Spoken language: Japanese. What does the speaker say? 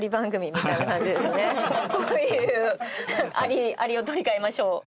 こういう「アリを取り替えましょう」。